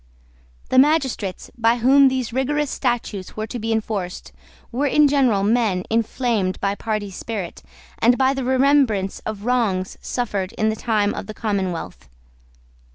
The magistrates, by whom these rigorous statutes were to be enforced, were in general men inflamed by party spirit and by the remembrance of wrongs suffered in the time of the commonwealth.